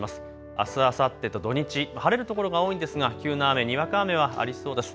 あす、あさって土日、晴れる所が多いんですが急な雨にわか雨はありそうです。